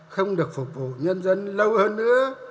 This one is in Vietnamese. không được phục vụ nhân dân lâu hơn nữa